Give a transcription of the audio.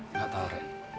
enggak tahu rek